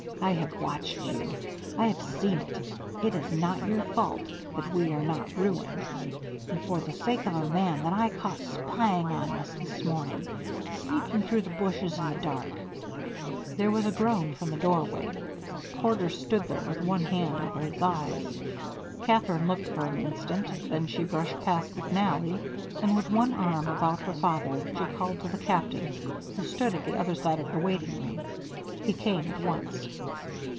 I have watched you I have seen it it is not your fault that we are not ruined and for the sake of a man that I caught spying on us this morning, sneaking through the bushes in the dark " There was a groan from the doorway. Porter stood there with one hand over his eyes. Katherine looked for an instant, then she brushed past McNally, and with one arm about her father she called to the Captain, who stood at the other side of the waiting room. He came at once.